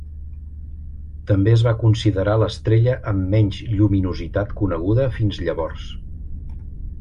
També es va considerar l"estrella amb menys lluminositat coneguda fins llavors.